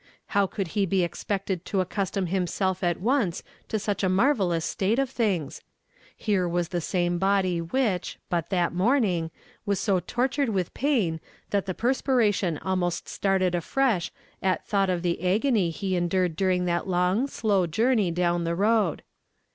How could he be expected to accustom himself at once to such a marvellous state of things? Here was the same body which, but that morning, was so tortured with pain that the perspiration almost started afresh at thought of the agony he endured during that long, slow journey down the road.